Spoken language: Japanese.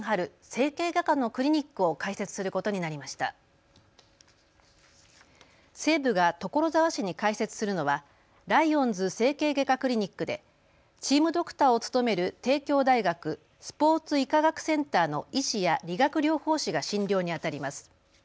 西武が所沢市に開設するのはライオンズ整形外科クリニックでチームドクターを務める帝京大学スポーツ医科学センターの医師や理学療法士が診療にあたります。